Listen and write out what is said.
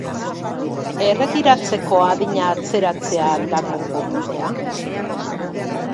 Erretiratzeko adina atzeratzea al da konponbidea?